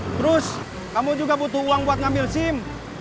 terus kamu juga butuh uang buat ngambil sim